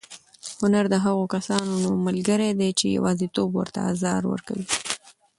هنر د هغو کسانو ملګری دی چې یوازېتوب ورته ازار ورکوي.